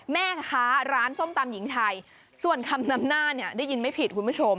แม่ค้าร้านส้มตำหญิงไทยส่วนคำนำหน้าเนี่ยได้ยินไม่ผิดคุณผู้ชม